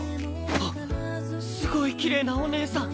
はっすごいきれいなおねえさん。